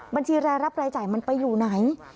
บัญชีรายรับรายจ่ายมันไปอยู่ไหน